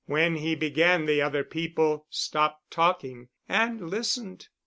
When he began, the other people stopped talking and listened.